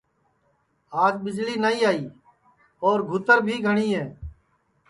آج ٻِجݪی نائی آئی اور گُھوتر بھی گھٹؔی ہے